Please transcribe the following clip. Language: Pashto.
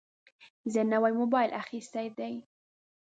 زه نوی موبایل اخیستی دی.